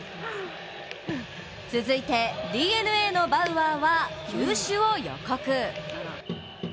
続いてＤｅＮＡのバウアーは球種を予告。